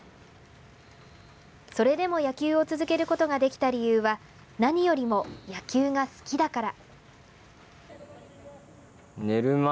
それでも野球を続けることができた理由は何よりも野球が好きだから。